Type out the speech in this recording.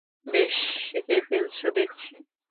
বেশ শিখে ফেলেছ দেখছি!